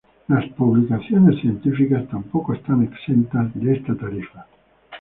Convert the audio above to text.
Publicaciones científicas tampoco están exentos de esta tarifa.